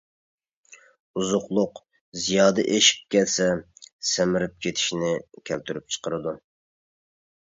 ئوزۇقلۇق زىيادە ئېشىپ كەتسە سەمرىپ كېتىشنى كەلتۈرۈپ چىقىرىدۇ.